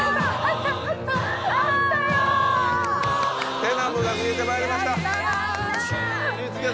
テナムが見えてまいりました